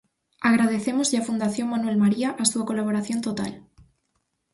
Agradecémoslle á Fundación Manuel María a súa colaboración total.